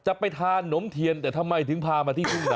จะไปทานมนุมเทียนแต่ทำไมถึงพามาที่สุรินทร์